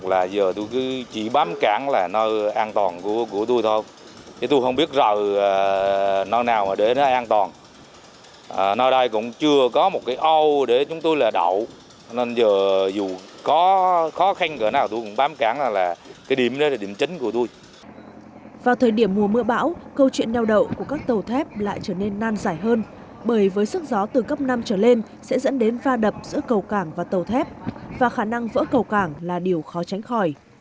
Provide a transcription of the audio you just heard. vào thời điểm mùa mưa bão câu chuyện neo đậu của các tàu thép lại trở nên nan giải hơn bởi với sức gió từ cấp năm trở lên sẽ dẫn đến va đập giữa cầu cảng và tàu thép và khả năng vỡ cầu cảng là điều khó tránh khỏi